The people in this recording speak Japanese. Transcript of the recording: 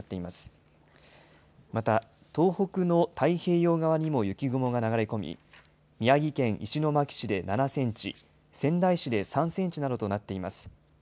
また、東北の太平洋側にも雪雲が流れ込み、宮城県石巻市で７センチ、仙台市で３センチなどとなっています。